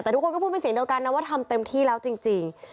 แต่ทุกคนก็พูดเป็นเสียงเดียวกันนะว่าทำเต็มที่แล้วจริง